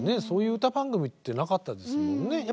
そういう歌番組ってなかったですもんね。